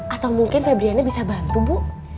atau mungkin febriana bisa bantu bu